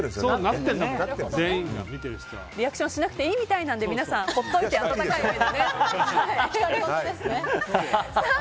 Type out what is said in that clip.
リアクションしなくていいみたいなので皆さん、ほっといておきましょう。